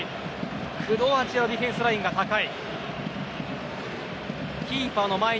クロアチアのディフェンスラインが高い。